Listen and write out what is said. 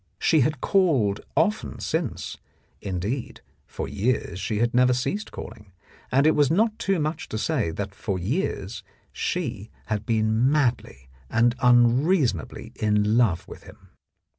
She had called often since; indeed for years she had never ceased calling, and it was not too much to say that for years she had been madly and unreasonably in love with him.